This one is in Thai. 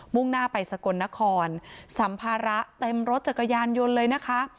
่งหน้าไปสกลนครสัมภาระเต็มรถจักรยานยนต์เลยนะคะ